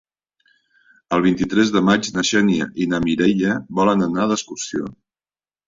El vint-i-tres de maig na Xènia i na Mireia volen anar d'excursió.